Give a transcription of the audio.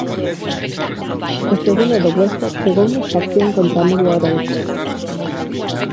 O segundo do Huesca chegou nesta acción contra a media hora de xogo.